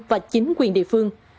và chính quyền địa phương